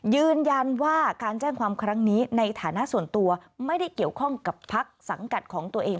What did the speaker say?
ยืนยันว่าการแจ้งความครั้งนี้ในฐานะส่วนตัวไม่ได้เกี่ยวข้องกับพักสังกัดของตัวเอง